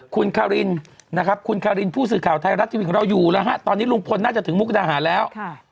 คุณคารินผู้สื่อข่าวไทยรัติวิทยาลัยอยู่แล้วตอนนี้ลุงพลน่าจะถึงบุตรอาหารแล้ว